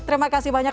terima kasih banyak